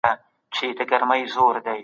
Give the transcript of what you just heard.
دولفین 🐬